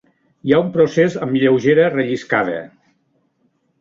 Hi ha un procés amb lleugera relliscada.